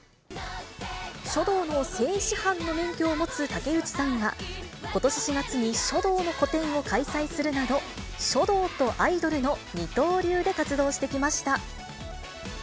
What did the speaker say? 書道の正師範の免許を持つ竹内さんが、ことし４月に書道の個展を開催するなど、書道とアイドルの二刀流で活動してきました。